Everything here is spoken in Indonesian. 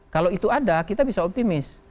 kalau itu ada kita bisa optimis